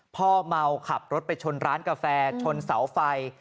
พ่อเมาขับรถไปชนร้านกาแฟชนเสาไฟ